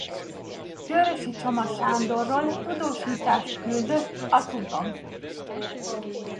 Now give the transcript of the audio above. Kőrösi Csoma Sándorról tudósítást küldött a Tudom.